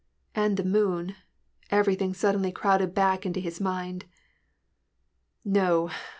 161 and the moon: everything suddenly crowded back into his mind. " No